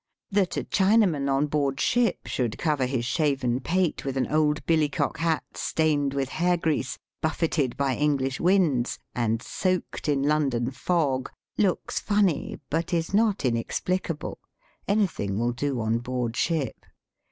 That a Chinaman on board ship should cover his shaven pate with an old billycock hat stained with hair grease, buffeted by English winds, and soaked in London fog, looks funny, but is not inexplicable. Anything wilj do on board ship.